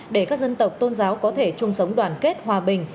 để các dân tộc tôn giáo có thể chung sống đoàn kết hòa bình